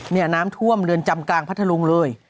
นี่น้ำท่วมเรือนจำกลางพัทธรุงเลย